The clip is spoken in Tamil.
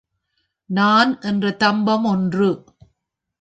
நான் என்ற தம்பம் ஒன்று.